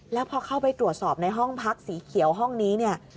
แล้วพอเข้าไปตรวจสอบในห้องพักสีเขียวห้องนี้เนี่ย